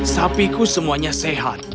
sapiku semuanya sehat